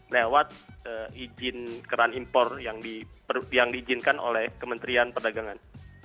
lewat izin keran impor yang diizinkan oleh kementerian perdagangan